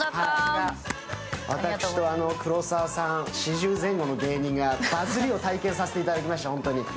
私と黒沢さん、４０前後の芸人がバズリを体験させていただきまして、ホントに。